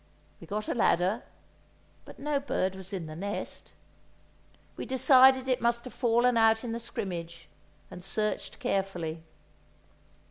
We got a ladder, but no bird was in the nest! We decided it must have fallen out in the scrimmage, and searched carefully.